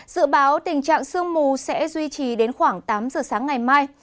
dự báo tình trạng sương mù sẽ duy trì đến khoảng tám giờ sáng ngày mai